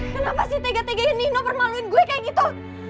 kenapa sih tega teganya nino permaluin gue kayak gitu